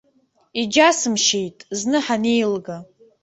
Иџьасымшьеит зны ҳанеилга.